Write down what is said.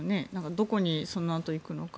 どこにそのあと、行くのか。